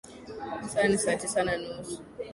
Sasa ni saa sita na nusu.